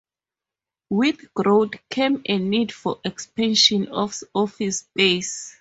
With growth came a need for expansion of office space.